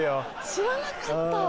知らなかった！